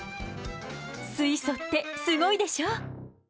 水素ってすごいでしょ！